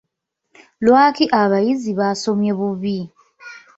Lwaki abayizi baasomye bubi?